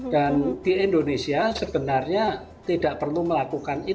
dan di indonesia sebenarnya tidak perlu melakukan